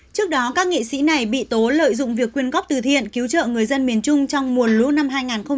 trước đó các nghị sĩ này bị tố lợi dụng việc quyên góp từ thiện cứu trợ người dân miền trung trong mùa lũ năm hai nghìn một mươi tám